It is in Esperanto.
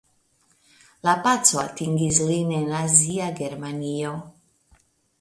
La paco atingis lin en nazia Germanio.